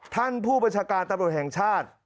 ท่านผู้บัญชาการตำรวจแห่งชาติ